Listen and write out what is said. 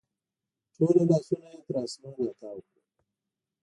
ټوله لاسونه یې تر اسمان راتاو کړل